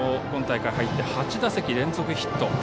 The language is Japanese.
今大会入って８打席連続ヒット。